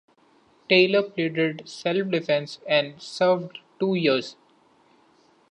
Taylor pleaded self-defense and served two years.